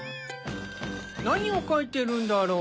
何を描いているんだろう。